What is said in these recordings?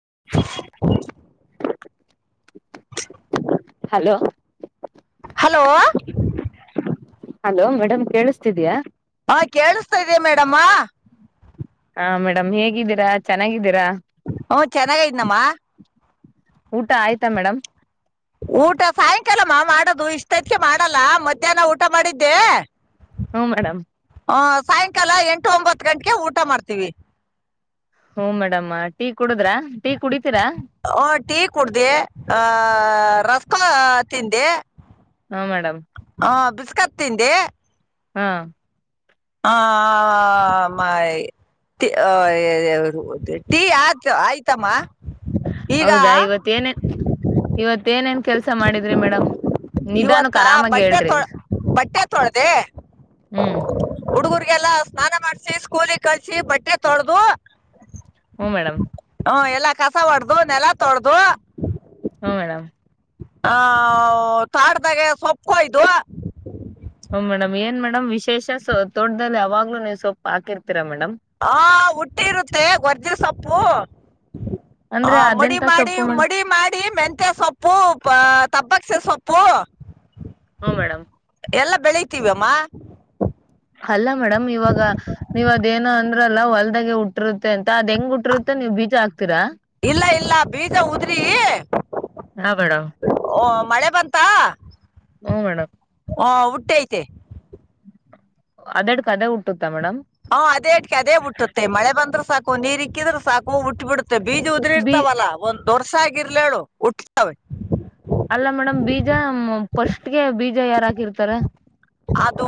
[inaudible] Hello hello hello madam ಕೇಳಿಸ್ತಿದಿಯಾ? ಹಾ ಕೇಳಿಸ್ತಾ ಇದೆ ಮೇಡಮ್ಮಾ. ಹಾ ಮೇಡಮ್ ಹೇಗಿದ್ದೀರಾ ಚೆನ್ನಾಗಿದ್ದೀರಾ? ಹ್ಮ ಚೆನ್ನಾಗೈದನಮ್ಮ. ಊಟ ಆಯ್ತಾ ಮೇಡಮ್? ಊಟ ಸಾಯಂಕಾಲಮ್ಮ ಮಾಡೋದು ಇಷ್ಟೆಗೆ ಮಾಡಲ್ಲ ಮಧ್ಯಾಹ್ನ ಊಟ ಮಾಡಿದ್ದೆ ಹ್ಮ ಮೇಡಮ್. ಹ ಸಾಯಂಕಾಲ ಎಂಟು ಒಂಬತ್ತು ಗಂಟ್ಗೆ ಊಟ ಮಾಡ್ತೀವಿ. ಹೂ ಮೇಡಮ್ಮ ಟೀ ಕುಡುದ್ರ? ಟೀ ಕುಡಿತೀರಾ ಹ ಟೀ ಕುಡ್ದೆ ಆ ರಸ್ ಕು ತಿಂದೆ. ಹಾ ಮೇಡಮ್. ಹಾ ಬಿಸ್ಕತ್ ತಿಂದೆ. ಹಾ ಆ ಮೖ ತಿ ಆ ಟೀ ಆತು ಆಯ್ತಮ್ಮ. ಈಗ ಹೌದಾ ಇವತ್ತೇನೇ ಇವತ್ತು ಏನೇನ್ ಕೆಲ್ಸ ಮಾಡಿದ್ರಿ ಮೇಡಮ್? ನಿಧಾನಕ್ ಇವತ್ತ ಆರಾಮಾಗಿ ಬಟ್ಟೆ ಹೇಳ್ರಿ ತೊಳ್ ಬಟ್ಟೆ ತೊಳ್ದೆ ಹ್ಮ್ ಹುಡುಗರ್ ಗೆಲ್ಲ ಸ್ನಾನ ಮಾಡ್ಸಿ, ಸ್ಕೂಲಗ್ ಕಳಸಿ, ಬಟ್ಟೆ ತೊಳ್ದು ಹ್ಮು ಮೇಡಮ್. ಹ್ಮು ಎಲ್ಲಾ ಕಸ ಹೊಡ್ದು ನೆಲ ತೊಳ್ದು ಹ್ಮ್ ಮೇಡಮ್ ಹಾ ತ್ವಾಟ್ದಾಗೆ ಸೊಪ್ಪ್ಕೊಯ್ದು ಹ್ಮ್ ಮೇಡಮ್ ಏನ್ ಮೇಡಮ್ ವಿಶೇಷ ತೋಟ್ದಲ್ಲಿ ಯಾವಾಗ್ಲೂ ನೀವು ಸೊಪ್ ಹಾಕಿರ್ತ್ ಹಾ ಹುಟ್ಟಿರುತ್ತೆ ಗೊರ್ಜಿನ ಸೊಪ್ಪು. ಹ ಅಂದ್ರೆ ಮಡಿ ಅದೆಂತ ಮಾಡಿ ಸೊಪ್ಪು ಮೇಡಮ್ ಮಡಿ ಮಾಡಿ ಮೆಂತ್ಯ ಸೊಪ್ಪು ಬ ತಪಕ್ಸೆ ಸೊಪ್ಪು. ಹಾ ಮೇಡಮ್. ಎಲ್ಲ ಬೆಳಿತಿವಮ್ಮ. ಅಲ್ಲ ಮೇಡಮ್ ಇವಾಗ ನೀವ್ ಅದೇನೊ ಅಂದ್ರಲ್ಲ ಹೊಲ್ದಾಗೆ ಹುಟ್ಟಿರುತ್ತೆ ಅಂತ ತ ಅದ್ ಹೆಂಗ್ ಹುಟ್ಟಿರ್ತ್ತ ನೀವು ಬೀಜ ಹಾಕ್ತೀರಾ? ಇಲ್ಲ ಇಲ್ಲ ಬೀಜ ಉದ್ರಿ ಹಾ ಮೇಡಮ್ ಆ, ಮಳೆ ಬಂತಾ ಹ್ಮು ಮೇಡಮ್. ತ್ತೈತೆ. ಅದದ್ಕ ಅದೇ ಹುಟ್ಟುತ್ ಹಾ ಅದೇ ಅಟ್ಕೆ ಅದೇ ಹುಟ್ಟುತ್ತೆ ಮಳೆ ಬಂದ್ರೆ ಸಾಕ್ ಕೊ ನೀರಿಕ್ಕಿದ್ರ ಸಾಕು ಹುಟ್ಟ್ಬಿಡ್ ಮತ್ತೆ ಬೀಜ ಬಿ ಉದುರಿರ್ತಾವಲ್ಲಾ ಒಂದ್ ದೊರ್ಸಾಗಿರ್ಲೇಳು ಹುಟ್ತವೆ. ಅಲ್ಲ ಮೇಡಮ್ ಬೀಜ ಫಸ್ಟ್ಗೆ ಬೀ ಜ ಯಾರ್ ಹಾಕಿರ್ತಾರ? ಅದು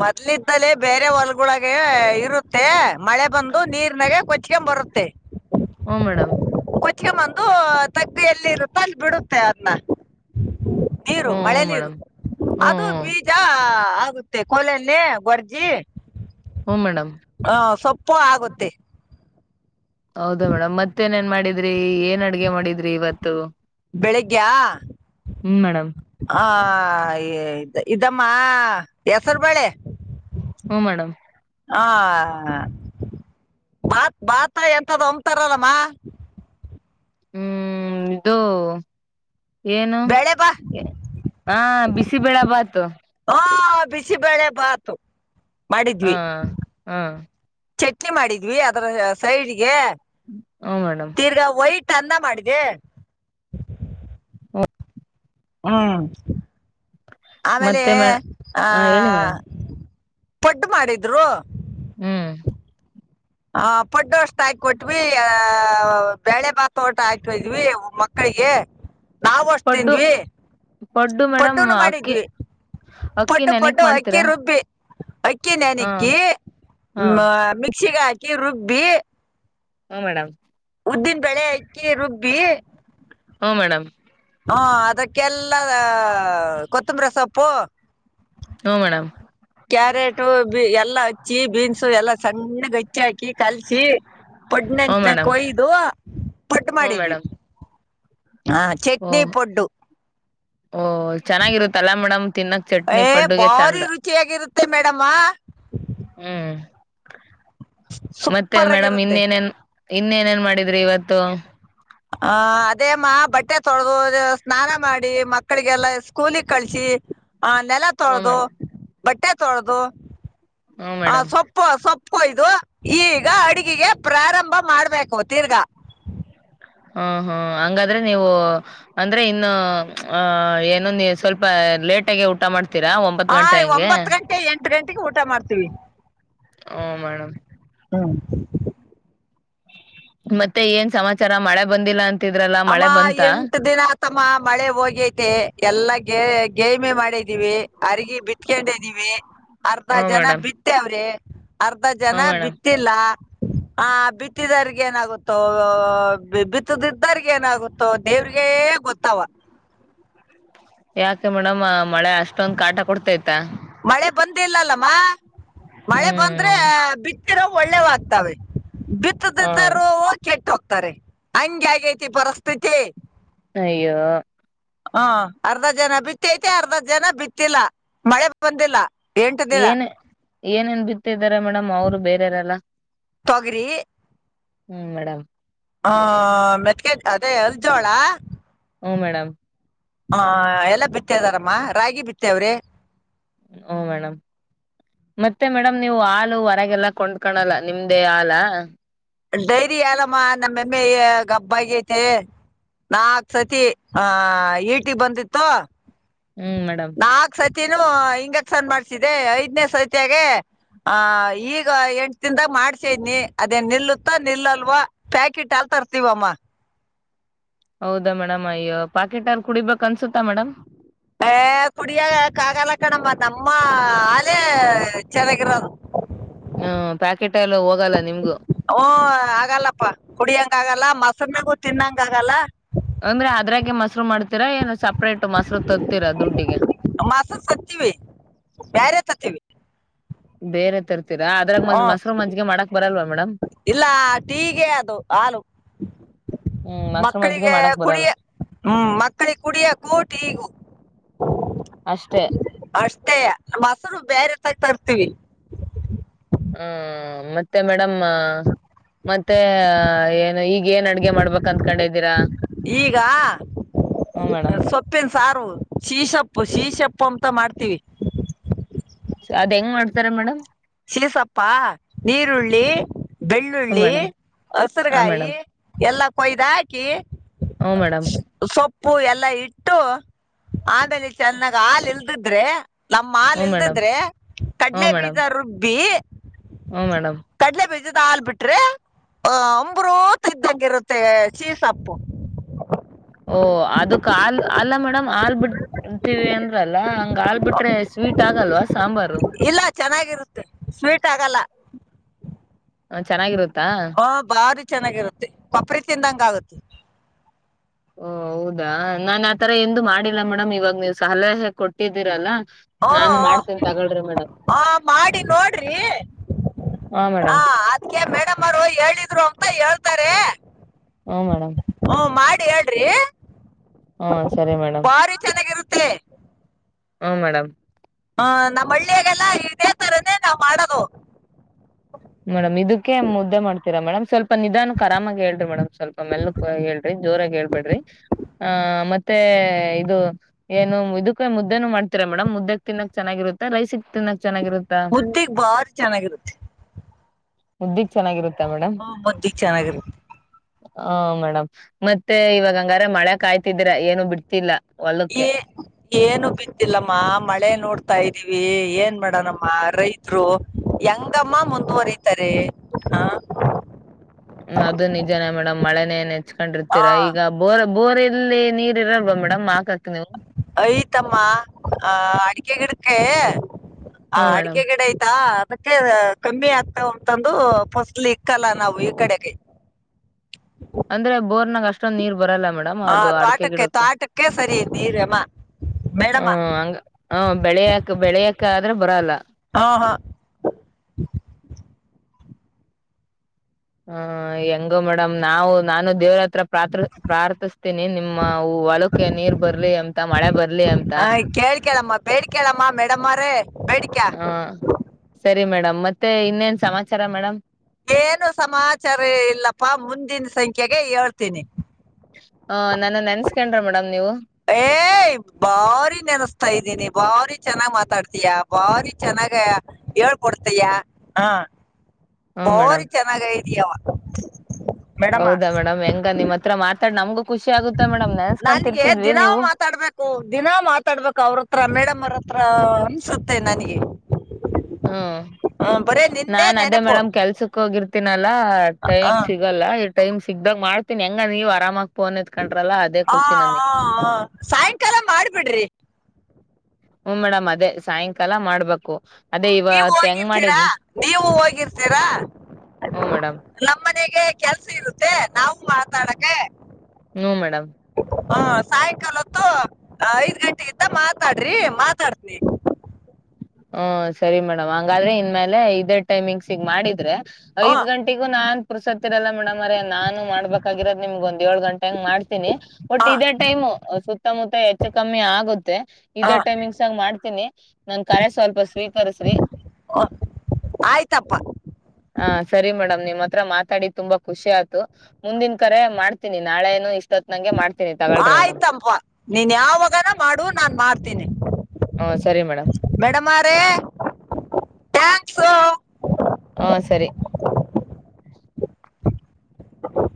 ಮೊದ್ಲಿದ್ದಲೇ ಬೇರೆ ಹೊಲ್ಗಳೊಗೆ ಇರುತ್ತೆ ಮಳೆ ಬಂದು ನೀರ್ನಾಗ ಕೊಚ್ಕೊಂಬರುತ್ತೆ. ಹ್ಮು ಮೇಡಮ್. ಕೊಚ್ಕೊಂಬಂದು ತಗ್ಗು ಎಲ್ಲಿ ಇರುತ್ತೆ ಅಲ್ಲಿ ಬಿಡುತ್ತೆ ಅದನ್ನ. ನೀರು ಹ್ಮ್ ಮಳೆ ಹ್ಮ್ ನೀರು. ಮೇಡಮ್ ಹ್ಮ್ ಅದು ಹ್ಮ್ ಬೀಜ ಹಾ ಆಗುತ್ತೆ ಕೋಲಲ್ಲೇ ಬಡ್ದಿ ಹ್ಮು ಮೇಡಮ್. ಪ್ಪು ಆಗುತ್ತೆ. ಹೌದಾ ಮೇಡಮ್ ಮತ್ತೇನೇನ್ ಮಾಡಿ ಡಿದ್ರಿ. ಬೆಳಿಗ್ಗೆಯ ಹ್ಮ್ ಮೇಡಮ್ ಆ ಇ ಇದಮ್ಮ ಅ ಹೆಸರು ಬೇಳೆ. ಹ್ಮ ಮೇಡಮ್. ಹಾಂ ಬಾತ್ ಭಾತ ಎಂಥದ್ದೊ ಅಂತಾರಲ್ಲಮ್ಮ ಹ್ಮ್ ಇದು ಏನು ಬೇಳೆ ಬಾ ಹಾ ಬಿಸಿಬೇಳೆ ಬಾತು. ಬಿಸಿಬೇಳೆ ಭಾತು. ಹಾ ಹ್ಮ್ ಚಟ್ನಿ ಮಾಡಿದ್ವಿ ಅದರ್ ಸೈಡ್ಗೆ. ಹ್ಮ ಮೇಡಮ್ ತೀರ್ಗಾ ವೈಟ್ ಟ್ ಅನ್ನ ಮಾಡ್ದೆ. ಹುಂ ಹ್ಮು ಆಮೇಲೆ ಮತ್ತೆ ಮೇಡ ಆ ಹ ಹೇಳಿ ಮೇಡಮ್ ಪಡ್ ಮಾಡಿದ್ರು. ಹ್ಮ್ ಹ ಪಡ್ಡು ಅಷ್ಟ್ ಹಾಕೊಟ್ವಿ ಆ ಬೇಳೆ ಭಾತ್ ಊಟ ಹಾಕಿದ್ವಿ ಮಕ್ಕಳಿಗೆ ನಾವು ಅಷ್ಟ್ ಪಡ್ಡು ತಿಂದ್ವಿ ಪಡ್ಡು ಮೇಡಮ್ ಪಡ್ಡುನು ಅಕ್ಕಿ ಮಾಡಿದ್ವಿ ಅಕ್ಕಿ ಪಡ್ಡು ನೆನಕ್ ಪಡ್ಡು ಅಕ್ಕಿ ಮಾಡ್ತೀರಾ ರುಬ್ಬಿ ಅಕ್ಕಿ ಹಾ ನೆನಕ್ಕಿ ಹಾ ಮ ಮಿ ಕ್ಸಿಗಾ ಕಿರುಬ್ಬಿ ಹುಂ ಮೇಡಮ್. ಅಕ್ಕಿ ರುಬ್ಬಿ ಹುಂ ಮೇಡಮ್. ಹಾ ಅದಕ್ಕೆಲ್ಲಾ ಕೊತ್ತಂಬರಿ ಸೊಪ್ಪು ಹ್ಮು ಮೇಡಮ್. ಕ್ಯಾರೆಟು ಎಲ್ಲಾ ಹಚ್ಚಿ ಬೀನ್ಸು ಎಲ್ಲಾ ಸಣ್ಣಗ್ ಹಚ್ಚಿ ಹಾಕಿ ಕಲ್ಸಿ ಹ್ಮ ಪಡ್ನೆಂತನ ಮೇಡಮ್ ಕೊಯ್ದು ಪಟ್ ಹ್ಮ ಮಾಡಿದ್ವಿ. ಮೇಡಮ್ ಹಾ ಓ ಚಟ್ನಿ ಪೊಡ್ಡು. ಓ ಚೆನ್ನಾಗಿರುತ್ತಲ್ಲಾ ಮೇಡಮ್ ತಿನ್ನಕ್ ಚಟ್ನಿ ಪಡ್ಡುಗೆ ಚಂದ. ಡಮ್ಮ. ಹ್ಮ್ ಮತ್ತೆ ಸೂಪರ್ ಮೇಡಮ್ ಆಗಿರುತ್ತೆ ಇನ್ನೇನೇನ್ ಇನ್ನೇನೇನ್ ಮಾಡಿದ್ರಿ ಇವತ್ತು? ಹ ಅದೇಮ್ಮ ಬಟ್ಟೆ ತೊಳೆದು ಸ್ನಾನ ಮಾಡಿ ಮಕ್ಕಳಿಗೆಲ್ಲಾ ಸ್ಕೂಲಿಗ್ ಕಳ್ಸಿ ಹ ನೆಲ ಹ್ಮ ತೊಳ್ದು ಮೇಡಮ್ ಬಟ್ಟೆ ತೊಳ್ದು ಹ್ಮ ಹಾ ಮೇಡಮ್ ಸೊಪ್ಪು ಸೊಪ್ಪ್ ಯ್ದು ಈಗ ಅಡುಗೆಗೆ ಪ್ರಾರಂಭ ಮಾಡ್ಬೇಕು ತಿರ್ಗಾ. ಹ್ಮ ಹ್ಮ್ ಹಂಗಾದ್ರೆ ನೀವು ಅಂದ್ರೆ ಇನ್ನು ಆ ಏನು ನೀ ಸ್ವಲ್ಪ ಲೇಟ್ ಆಗೆ ಊಟ ಮಾಡ್ತ್ ತೀರಾ ಒಂಬತ್ ಗಂಟೆ ಹಂಗೆ. ಹತ್ತು ಗಂಟೆಗೆ ಊಟ ಮಾಡ್ತೀವಿ. ಹುಂ ಮೇಡಮ್. ಹ್ಮ ಮತ್ತೆ ಏನ್ ಸಮಾಚಾರ ಮಳೆ ಬಂದಿಲ್ಲ ಅಂತ ಅಮ್ಮ ಎಂಟ್ ದಿನ ಆತಮ್ಮ ಮಳೆ ಹೋಗೈತಿ ಎಲ್ಲ ಗೆ ಗೖಮೆ ಮಾಡಿದ್ದೀವಿ ಅರ್ಗಿ ಬಿಟ್ಕೊಂಡಿದ್ದೀವಿ. ಅರ್ಧ ಹ್ಮ ಜನ ಮೇಡಮ್ ಬಿತ್ತವ್ರೆ. ಅರ್ಧ ಜನ ಹ್ಮ ಮೇಡಮ್ ಬಿತ್ತಿಲ್ಲ. ಹ ಬಿತ್ತಿದರಗ ಏನಾಗುತ್ತೋ ಬಿತ್ತದಿದ್ ದ್ದರ್ಗ ಏನಾಗುತ್ತೋ ದೇವ್ರಗೆ ಗೊತ್ತವ. ಯಾಕೆ ಮೇಡಮ್ ಮಳೆ ಅಷ್ಟೊಂದ್ ಕಾಟ ಕೊಡ್ತೈತಾ? ಮಳೆ ಬಂದಿಲ್ಲಲ್ಲಮ್ಮ. ಮಳೆ ಬಂದ್ರೆ ಹ್ಮ್ ಬಿತ್ತಿರೊವ್ ಒಳ್ಳೇವಾಗ್ತವೆ ಹ ಬಿತ್ತದಿದ್ದೊರು ಕೆಟ್ಟ್ ಹೋಗ್ತ್ ಕರೆಕ್ಟ್, ಹಂಗೆ ಆಗೇತಿ ಪರಿಸ್ಥಿತಿ. ಅಯ್ಯೋ ಹ ಅರ್ಧ ಜನ ಬಿತ್ತೖತೆ ಅರ್ಧ ಜನ ಬಿತ್ತಿಲ್ಲ ಮಳೆ ಬಂದಿಲ್ಲ. ಎಂಟು ದಿನ ಏನ್ ಏನೇನ್ ಬಿತ್ತರ್ ದ್ದಾರೆ ಮೇಡಮ್ ಅವರು ಬೇರೆೆಯರಲ್ಲ. ತೊಗರಿ ಹ್ಮ್ ಮೇಡಮ್. ಹಾ ಮೆತ್ಗೆ ಅದೇ ಅರ್ಜೋಳ ಹ್ ಮೇಡಮ್. ಹ ಎಲ್ಲಾ ಬಿತ್ತದಾರಮ್ಮ ರಾಗಿ ಬಿತ್ತೇವ್ರಿ. ಹುಂ ಮೇಡಮ್ ಮತ್ತೆ ಮೇಡಮ್ ನೀವು ಹಾಲು ಹೊರಗೆಲ್ಲ ಕೊಂಡ್ಕಳಲ್ಲ ನಿಮ್ದೇ ಹಾಲಾ? ಡೈರಿ ಹಾಲಮ್ಮ ನಮ್ಮಮ್ಮೆ ಗಬ್ಬ್ ಆಗೖತಿ ನಾಕ್ ಸತಿ ಆ ಈಟಿ ಬಂದಿತ್ತು. ಹ್ಮ್ ಮೇಡಮ್. ತಿನೂ ಇಂಜೆಕ್ಷನ್ ಮಾಡ್ಸಿದೆ ಐದ್ನೇ ಸೈತಿಯಾಗೆ ಆ ಈಗ ಎಂಟ ದಿನ್ದಾಗ ಮಾಡ್ಸಿದ್ನಿ ಅದೇನ್ ನಿಲ್ಲುತ್ತ ನಿಲ್ಲಲ್ವೊ ಪ್ಯಾಕೆಟ್ ಹಾಲ್ ತರ್ತೀವಮ್ಮ. ಹೌದಾ ಮೇಡಮ್ ಅಯ್ಯೊ ಪಾಕೆಟ್ ಹಾಲ್ ಕುಡಿಬೇಕ್ ಅನ್ಸುತ್ತಾ ಮೇಡಮ್. ಹ ಕುಡಿಯಕಾಗಾಲ್ಲ ಕಣಮ್ಮ ನಮ್ಮ ಹಾಲೇ ಚನಾಗಿರೋದು. ಹ್ಮ ಪ್ಯಾಕೆಟ್ ಹಾಲು ಹೋಗಲ್ಲ ನಿಮ್ಗು. ಓ ಆಗಲ್ಲಪ್ಪ ಕುಡಿಯಂಗಾಗಲ್ಲ ಮೊಸರ್ನಗೂ ತಿನ್ನಂಗಾಗಲ್ಲ. ಅಂದ್ರೆ ಅದ್ರಾಗೆ ಮೊಸರು ಮಾಡ್ತೀರಾ ಏನು ಸಪ್ರೇಟ್ ಮಸರು ತತೀರಾ ದುಡ್ಡಿಗೆ. ಮೊಸರ್ ತತ್ತೀವಿ ಬ್ಯಾರೆ ಬೇರೆ ತರ್ ಹ ಮೇಡಮ್ ಇಲ್ಲ ಟೀಗೆ ಅದು ಹಾಲು ಹ್ಮ್ ಮೊಸರು ಮಜ್ಗೆ ಮಕ್ಕಳಿಗೆ ಮಾಡಕ್ ಬರಲ್ಲ ಕುಡಿಯ ಹ್ಮ ಮಕ್ಕಳಿಗೆ ಕುಡಿಯಕ್ಕೂ ಟೀಗೂ ಅಷ್ಟೇ ಅಷ್ಟ್ ಷ್ಟೆಯ ಮೊಸರು ಬೇರೆ ತಾಗ ತರ್ತಿವಿ. ಹ್ಮ ಮತ್ತೆ ಮೇಡ್ ಡಮ್ಮ್ ಮತ್ತ್ ತ್ತೆ ಏನು ಈಗ್ ಏನ್ ಅಡ್ಗೆ ಮಾಡ್ಬೇಕ್ ಅಂದ್ಕೊಂಡಿದ್ದೀರಾ? ಈಗ ಹುಂ ಮೇಡಮ್. ಸೊಪ್ಪಿನ ಸಾರು ಶೀಸಪ್ಪು ಶೀಸಪ್ಪು ಅಂತ ಮಾಡ್ತೀವಿ. ಅದ ಹೆಂಗ್ ಮಾಡ್ತಾರೆ ಮೇಡಮ್? ಶಿಸಪ್ಪ ನೀರುಳ್ಳಿ ಹ್ಮ ಬೆಳ್ಳುಳ್ಳಿ ಮೇಡಮ್ ಹಾ ಹಸ್ರುಗಾಯಿ ಮೇಡಮ್ ಎಲ್ಲ ಕೊಯ್ದು ಹಾಕಿ ಹ್ಮ ಮೇಡಮ್ ಸೊಪ್ಪ್ ಪ್ಪೂ ಎಲ್ಲಾ ಇಟ್ಟು ಆಮೇಲೆ ಚೆನ್ನಾಗ ಹಾಲ್ ಇಲ್ದಿದ್ರೆ ನಮ್ಮ್ ಹಾಲ್ ಹ್ಮ ಮೇಡಮ್ ಇಲ್ದಿದ್ರೆ ಕಡ್ಲೆ ಬೀ ಬ್ಬೀ ಹ್ಮು ಮೇಡಮ್. ಇದ ಹಾಲ್ ಬಿಟ್ರೆ ಆ ಅಂಬ್ರೂತ ಇದ್ದಂಗ ಇರುತ್ತೆ ಶಿಸಪ್ಪು. ಓ ಅದಕ್ ಹಾಲ್ ಅಲ್ಲ ಮೇಡಮ್ ಹಾಲ್ ಬಿಡ್ತೀವಿ ಅಂದ್ರಲ್ಲ ಹಂಗ ಹಾ ಬಿಟ್ರೆ ಸ್ವೀಟ್ ಆಗಲ್ವಾ ಸಾಂಬಾರು. ಇಲ್ಲ ಚೆನ್ನಾಗಿರುತ್ತೆ ಸ್ವೀಟ್ ಆಗಲ್ಲ. ಹ ಚೆನ್ನಾಗಿರುತ್ತ್ ಹಾ ಭಾರಿ ಚೆನ್ನಾಗಿರುತ್ತೆ ಕೊಪ್ರಿ ತಿಂದಂಗಾಗುತ್ತೆ. ಓ ಹೌದಾ ನಾನ್ ಆತರ ಎಂದೂ ಮಾಡಿಲ್ಲ ಮೇಡಮ್ ಇವಾಗ ನೀವು ಸಲಹೆ ಕೊಟ್ಟಿದ್ದೀರಲ್ಲ ಹೂ ನಾನು ಮಾಡ್ತೇನಿ ಹೂ ತಗೊಳ್ರಿ ಮೇಡಮ್ ಆ ಮಾಡಿ ನೋಡ್ರಿ ಹಾ ಹ ಮೇಡಮ್ ಅದ್ಕೆ ಮೇಡಮ್ ಮ್ಮರು ಹೇಳಿದ್ರು ಅಂತ ಹೇಳ್ತಾರೆ ಹುಂ ಮೇಡಮ್. ಹ ಮಾಡೇಳ್ರಿ. ಹ್ಮ ಸರಿ ಬಾರಿ ಚೆನ್ನಾಗಿರುತ್ತೆ. ಹ್ಮು ಮೇಡಮ್. ಹಾ ನಮ್ಮಳ್ಳಿಯಾಗೆಲ್ಲ ಇದೇ ತರನೇ ನಾವ್ ಮಾಡದು. ಮೇಡಮ್ ಇದಕ್ಕೆ ಮುದ್ದೆ ಮಾಡ್ತೀರಾ ಮೇಡಮ್ ಸ್ವಲ್ಪ ನಿಧಾನಕ್ ಆರಾಮಾಗಿ ಏಳಿರೀ ಮೇಡಮ್ ಸ್ವಲ್ಪ ಮೆಲ್ಲಕೆ ಹೇಳ್ರಿ ಜೋರಾಗಿ ಹೇಳ್ಬೇಡ್ರಿ ಆ ಮತ್ತೆ ಇದು ಏನು ಇದಕ್ಕೆ ಮುದ್ದೇನು ಮಾಡ್ತೀರಾ ಮೇಡಮ್ ಮುದ್ದೆಕ್ ತಿನ್ನಕ್ ಚೆನ್ನಾಗಿರುತ್ತ ರೈಸಿಕ್ ತಿನ್ನಕ್ ಚೆನ್ನಾಗಿರುತ್ತಾ ಮುದ್ದೆಗ್ ಬಾರಿ ಚೆನ್ನಾಗಿರುತ್ತೆ. ಮುದ್ದಿ ಹಓ ಮುದ್ದಿಕ್ ಚೆನ್ನಾಗಿರುತ್. ಹ ಮೇಡಮ್ ಮತ್ತೆ ಇವಾಗ ಹಂಗಾರ ಮಳೆ ಕಾಯ್ತಿದ್ರ ಏನು ಬಿಡ್ತಿಲ್ಲ. ಹೊಲಕ್ಕೆ ಏ ಏನು ಬಿತ್ತಿಲ್ಲಮ್ಮ ಮಳೆ ನೋಡ್ ತಾ ಇದ್ದೀವಿ ಏನ್ ಮಾಡನಮ್ಮ ರೈತ್ರು ಯಂಗಮ್ಮ ಮುಂದುವರಿತಾರೆ ಹ ಅದು ನಿಜನೇ ಮೇಡಮ್ ಮಳೆನೇ ನೆಚ್ಚ್ಕೊಂಡಿರ್ತೀರಾ ಹಾ ಈಗ ಬೋರ್ ಬೋರಿ ಲ್ಲಿ ನೀರ್ ಇರಲ್ವಾ ಮೇಡಮ್ ಹಾಕ ಐತಮ್ಮ ಆ ಅಡಿಕೆ ಗಿಡ ಕ್ಕೇ ಆ ಹ್ಮ್ ಮೇಡಮ್ ಅಡಿಕೆಗಿಡಾ ಐಯ್ತಾ ಮತ್ತೆ ಕಮ್ಮಿ ಆಗ್ತಾವಂತಂದು ಫಸ್ಲ್ ಇಕ್ಕಲ್ಲ ನಾವು ಈ ಕಡೆಗೆ. ಅಂದ್ರೆ ಬೋರ್ನಾಗ ಅಷ್ಟೊಂದ್ ನೀರ್ ಬರಲ್ಲ ಮೇಡಮ್ ಆ ಅದು ಅಡಕೆ ತೋಟಕ್ಕೆ ಗಿಡಕ್ಕೆ ತೋಟಕ್ಕೆ ಸರಿ ನೀರಮ್ಮ ಹ್ಮ ಮೇಡಮ್ಮ ಹಂಗ ಹ ಬೆಳೆಯಕ ಬೆಳೆಯಕ ಕಾದ್ರೆ ಬರಲ್ಲ. ಹಾ ಹಾ. ಹ ಹೆಂಗೋ ಮೇಡಮ್ ನಾವು ನಾನು ದೇವರತ್ರ ಪ್ರಾರ್ಥ ಪ್ರಾರ್ಥಿಸತೀನಿ ನಿಮ್ಮ ಹೊಲಕ್ಕೆ ನೀರ್ ಬರ್ಲಿ ಅಂತ ಮಳೆ ಬರ್ಲಿ ಅಂತ. ಆ, ಕೇಳ್ ಕೇಳಮ್ಮ ಬೇಡಿ ಕೇಳಮ್ಮ ಮೇಡಮ್ಮರೇ ಬೇಡಿಕ ಹಾ ಸರಿ. ರಿ ಮೇಡಮ್ ಮತ್ತೆ ಇನ್ನೇನ್ ಸಮಾಚಾರ ಮೇಡಮ್? ಏನು ಸಮಾಚಾರ ಇಲ್ಲಪ್ಪಾ ಮುಂದಿನ ಸಂಖ್ಯೆಗೆ ಹೇಳ್ತೀನಿ. ಹ ನನ್ನ ನೆನ್ಸ್ಕೊಂಡ್ರ ಮೇಡಮ್ ನೀವು? ಏ ಬಾರಿ ನೆನಸ್ತಾ ಇದ್ದೀನಿ ಭಾರಿ ಚೆನ್ನಾಗ್ ಮಾತಾಡ್ತಿಯ ಭಾರಿ ಚೆನ್ನಾಗ ಹೇಳ್ಕೊಡ್ತಿಯ ಹಾ. ಹ್ಮ ಮೇಡಮ್ ಬಾರಿ ಚೆನ್ನಾಗ ಇದೀಯವ ಮೇಡಮ ಹೌದಾ ಮೇಡಮ್ ಹೆಂಗ ನಿಮ್ಮ್ ಹತ್ರ ಮಾತಾಡ್ ನಮಗು ನನ್ಗೆ ದಿನ ನೀವು ಮಾತಾಡ್ಬೇಕು ದಿನ ಮಾತಾಡ್ಬೇಕು ಅವರತ್ರ ಮೇಡಮ್ ಅವರತ್ರ ಸುತ್ತೆ ನನಗೆ. ಹ್ಮ ಹ್ಮ್, ಬರೇ ನಿಂದೇ ನಾನ್ ಅದೇ ನೆನಪು ಮೇಡಮ್ ಕೆಲ್ಸಕ್ ಹೋಗಿರ್ತ್ ತಿನಲ್ ಲಾ ಆ, ಆ, ಟೈಮ್ ಸಿಗಲ್ಲ ಟೈಮ್ ಸಿಗ್ದಾಗ ಮಾಡ್ತೀನಿ ಹೆಂಗ ನೀವು ಆರಾಮಾಗ್ ಹ ಹ ಸಾಯಂಕಾಲ ಮಾಡ್ಬಿಡ್ರಿ. ಹ್ಮ ಮೇಡಮ್ ಅದೇ ಸಾಯಂಕಾಲ ಮಾಡ್ಬೇಕು. ಅದೇ ಹ ನೀವು ಇವತ್ ಹೆಂಗ್ ಹೋಗಿರ್ತೀರಾ ಮಾಡಿದ್ನು ನೀವು ಹೋಗಿರ್ತೀರಾ ಹ್ಮ್ ಮೇಡಮ್ ನಮ್ಮನೆಗೆ ಕೆಲ್ಸ್ ಇರುತ್ತೆ. ನಾವು ಮಾತಾಡಕ್ಕೆ ಹ್ಮ್ ಮೇಡಮ್ ಹಾ ಸಾಯಂಕಾಲೊತ್ತು ಐದ್ ಗಂಟೆಗಿಂತ ಮಾತಾಡ್ರಿ ಮಾತಾಡ್ತಿನಿ. ಹ್ಮ ಸರಿ ಮೇಡಮ್ ಹಂಗಾದ್ರೆ ಇನ್ ಮೇಲೆ ಇದೇ ಟೈಮಿಂಗ್ಸಿಗ್ ಮಾಡಿದ್ರೆ ಐದ್ ಹ್ಮ್ ಗಂಟೆಗೂ ನಾನ್ ಪುರ್ಸತ್ತಿರಲ್ಲ ಮೇಡಮ್ಮೊರೆ ನಾನು ಮಾಡ್ಬೇಕಾಗಿರ ನಿಮ್ಗೊಂದು ಏಳ ಗಂಟೆಂಗ್ ಮಾಡ್ತೀನಿ ಬಟ್ ಹಾ ಇದೇ ಟೈಮ್ ಸುತ್ತಮುತ್ತ ಹೆಚ್ಚು ಕಮ್ಮಿ ಆಗುತ್ತೆ ಹಾ ಇದೇ ಟೈಮಿಂಗ್ಸ್ಂಗ ಮಾಡ್ತೀನಿ ನ ಕರೆ ಸ್ವಲ್ಪ ಸ್ವೀಕರಿಸ್ರಿ, ಆಯ್ತಪ್ಪ ಹ ಸರಿ ಮೇಡಮ್ ನಿಮ್ಮ ತ್ರ ಮಾತಾಡಿ ತುಂಬಾ ಖುಷಿ ಆತು, ಮುಂದಿನ್ ಕರೆ ಮಾಡ್ತೀನಿ ನಾಳೆನೂ ಇ ಆಯ್ತಪ ನೀನ್ ಯಾವಾಗನ ಮಾಡು ನಾನ್ ಮಾಡ್ತೀನಿ. ಹುಂ ಸರಿ ಮೇಡಮ್. ಡಮ್ಮೋರೆ ಥ್ಯಾಂಕ್ಸು. ಹ್ಮ ಸರಿ [inaudible]